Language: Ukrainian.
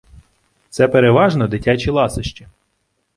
Це переважно дитячі ласощі.